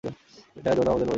এটা যৌন আবেদনময়ী।